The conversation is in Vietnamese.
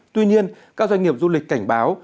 tuy nhiên các doanh nghiệp du lịch cảnh báo